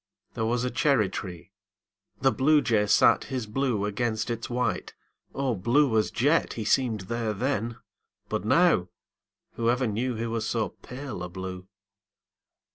There was a cherry tree. The Bluejay sat His blue against its white O blue as jet He seemed there then! But now Whoever knew He was so pale a blue!